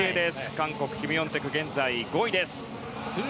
韓国、キム・ヨンテクは現在５位です。